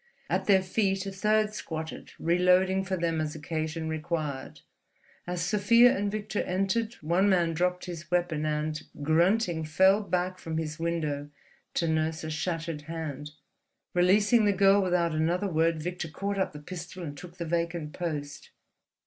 At their feet a third squatted, reloading for them as occasion required. As Sofia and Victor entered one man dropped his weapon and, grunting, fell back from his window to nurse a shattered hand. Releasing the girl without another word, Victor caught up the pistol and took the vacant post.